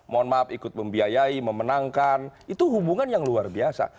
mohon maaf ikut membiayai memenangkan itu hubungan yang luar biasa